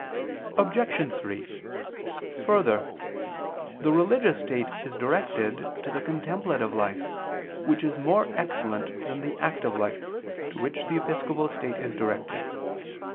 Obj. 3: Further, the religious state is directed to the contemplative life, which is more excellent than the active life to which the episcopal state is directed.